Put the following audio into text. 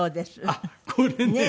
あっこれね。